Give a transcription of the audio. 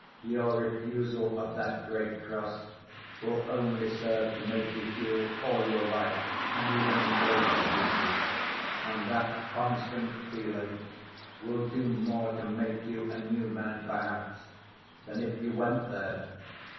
Your refusal of that great cross will only serve to make you feel all your life an even greater duty, and that constant feeling will do more to make you a new man, perhaps, than if you went there.